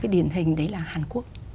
cái điển hình đấy là hàn quốc